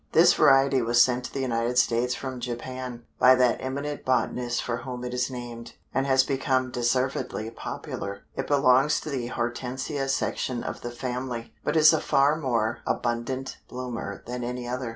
This variety was sent to the United States from Japan, by that eminent botanist for whom it is named, and has become deservedly popular. It belongs to the Hortensia section of the family, but is a far more abundant bloomer than any other.